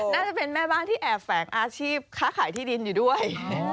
น่าจะเป็นแม่บ้านที่แอบแฝงอาชีพค้าขายที่ดินอยู่ด้วย